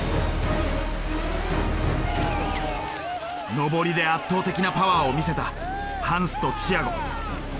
上りで圧倒的なパワーを見せたハンスとチアゴ。